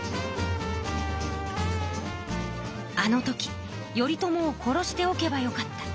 あのとき頼朝を殺しておけばよかった。